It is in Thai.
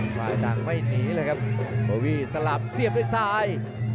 ฝ่ายต่างไม่หนีเลยครับโบวี่สลับเสียบด้วยซ้าย